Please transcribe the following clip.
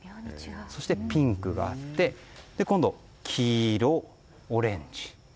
そしてピンクがあって今度、黄色、オレンジ。